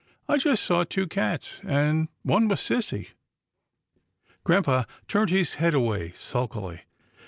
I just saw two cats, and one was sissy." Grampa turned his head away, sulkily.